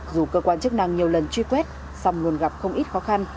dù cơ quan chức năng nhiều lần truy quét song luôn gặp không ít khó khăn